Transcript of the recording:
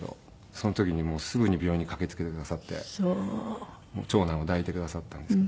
その時にすぐに病院に駆けつけてくださって長男を抱いてくださったんですけど。